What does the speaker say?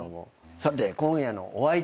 さて今夜のお相手。